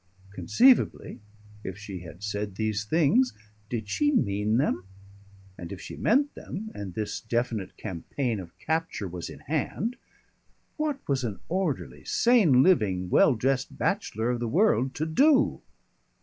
Conceivably, if she had said these things, did she mean them, and if she meant them, and this definite campaign of capture was in hand, what was an orderly, sane living, well dressed bachelor of the world to do?